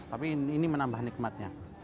tapi ini menambah nikmatnya